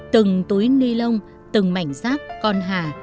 từng túi ni lông từng mảnh xác con hà